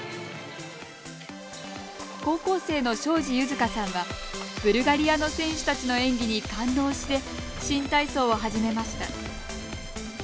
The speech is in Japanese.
高校生の庄司柚香さんはブルガリアの選手たちの演技に感動して新体操を始めました。